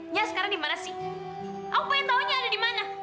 nyah sekarang dimana sih aku pengen tahu nyah ada dimana